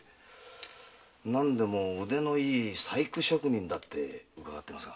何でも腕のいい細工職人だと伺ってますが？